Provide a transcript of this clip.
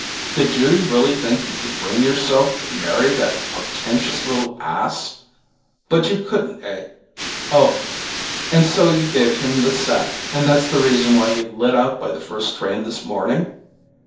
Did Judy really think you could bring yourself to marry that portentous little ass? But you couldn't, eh? And so you gave him the sack, and that's the reason why he lit out by the first train this morning?"